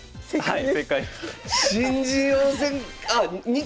はい。